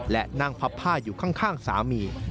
และนั่งพับผ้าอยู่ข้างสามี